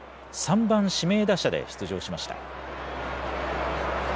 ３番指名打者で出場しました。